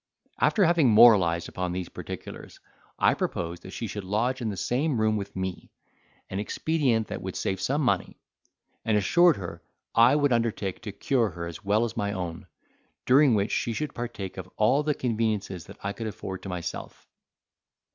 After having moralised upon these particulars, I proposed that she should lodge in the same room with me, an expedient that would save some money: and assured her, I would undertake to cure her as well as my own, during which she should partake of all the conveniences that I could afford to myself.